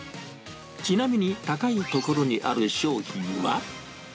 ちなみに、高い所にある商品は。